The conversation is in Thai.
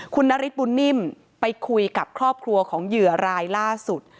คุณนฤทธบุญนิ่มไปคุยกับครอบครัวของเหยื่อรายล่าสุด